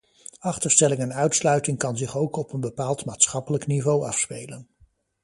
Achterstelling en uitsluiting kan zich ook op een bepaald maatschappelijk niveau afspelen.